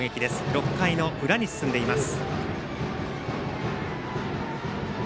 ６回の裏に進んでいます。